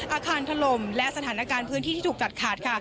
อาคารถล่มและสถานการณ์พื้นที่ถูกตัดขาด